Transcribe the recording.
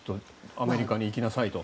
アメリカに行きなさいと。